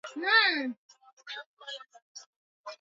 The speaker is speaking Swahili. Wametoka kambi ya kijeshi